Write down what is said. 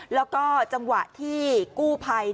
แล้วก็จังหวะที่กู้ภัย